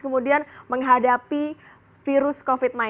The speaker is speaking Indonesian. kemudian menghadapi virus covid sembilan belas